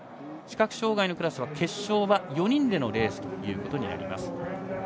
視覚障がいのクラスは決勝は４人でのレースとなります。